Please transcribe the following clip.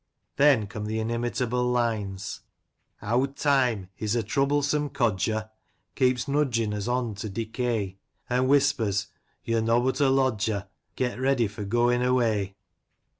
Then come the inimitable lines, — Owd Time — ^he*s a troublesome codger — Keeps nudgin* us on to decay. An* whispers, Yo're nobbut a lodger : Get ready for goin* away